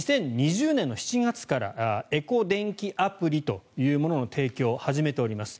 ２０２０年７月からエコ電気アプリというものの提供を始めております。